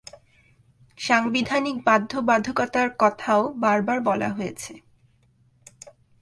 সাংবিধানিক বাধ্যবাধকতার কথাও বারবার বলা হয়েছে।